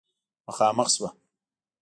مخامخ شوه